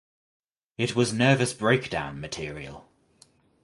It was nervous breakdown material.